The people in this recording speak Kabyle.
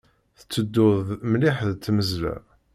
Tettedduḍ mliḥ d tmeẓla.